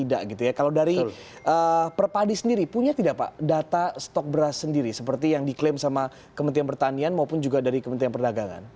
data stok beras sendiri seperti yang diklaim sama kementerian pertanian maupun juga dari kementerian perdagangan